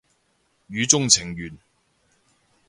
語中程緣